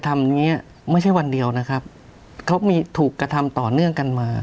ไม่ใช่วันเดียวนะครับเขามีถูกกระทำต่อเนื่องกันมา